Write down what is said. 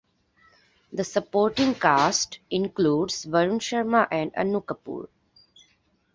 The supporting cast includes Varun Sharma and Annu Kapoor.